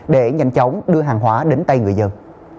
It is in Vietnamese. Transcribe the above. để nhanh chóng đưa hàng hóa đến tay người dân